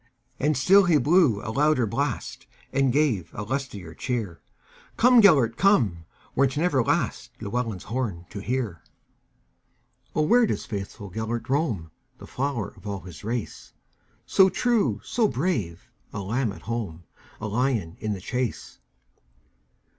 And still he blew a louder blast, And gave a lustier cheer:"Come, Gêlert, come, wert never lastLlewelyn's horn to hear."O, where doth faithful Gêlert roam, The flower of all his race, So true, so brave,—a lamb at home,A lion in the chase?"